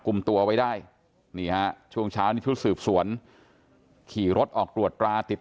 กลุ่มตัวไว้ได้นี่ฮะช่วงเช้านี้ชุดสืบสวนขี่รถออกตรวจตราติด